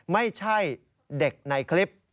ไม่ใช่เด็กในคลิป